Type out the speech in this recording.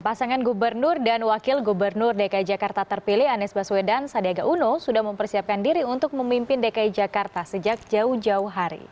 pasangan gubernur dan wakil gubernur dki jakarta terpilih anies baswedan sadiaga uno sudah mempersiapkan diri untuk memimpin dki jakarta sejak jauh jauh hari